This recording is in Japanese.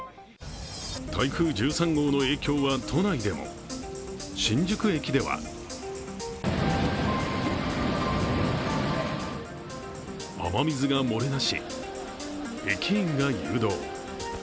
台風１３号の影響は都内でも新宿駅では雨水が漏れ出し、駅員が誘導。